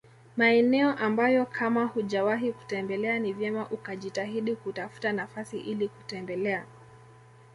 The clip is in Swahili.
Maeneo ambayo kama hujawahi kutembelea ni vyema ukajitahidi kutafuta nafasi ili kutembelea